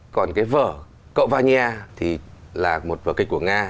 còn cái vở cậu vanya thì là một vở kịch của nga